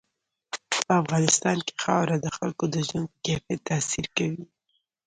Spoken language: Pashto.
په افغانستان کې خاوره د خلکو د ژوند په کیفیت تاثیر کوي.